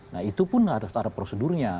nah itu pun harus ada prosedurnya